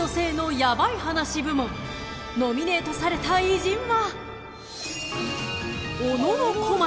［ノミネートされた偉人は？］